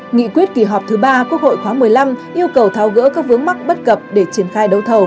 nghị quyết kỳ họp thứ ba quốc hội khóa một mươi năm yêu cầu tháo gỡ các vướng mắc bất cập để triển khai đấu thầu